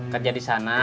kerja di sana